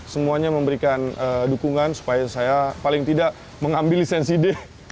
semuanya memberikan dukungan supaya saya paling tidak mengambil lisensi d